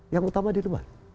yang utama di luar